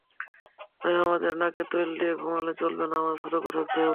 তাই আমাদের নাকে তৈল দিয়ে ঘুমালে চলবে না, আমাদের সতর্ক থাকতে হবে।